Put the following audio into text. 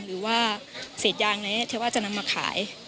หรือว่าเศษยางอะไรที่เทพาะจะนำมาขาย